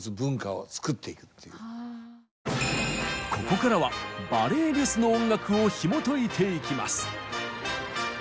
ここからはバレエ・リュスの音楽をひもといていきます！